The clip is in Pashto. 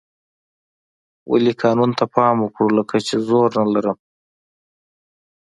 ولې قانون ته پام وکړو لکه چې زور نه لرم.